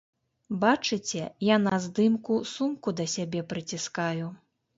Бачыце, я на здымку сумку да сябе прыціскаю.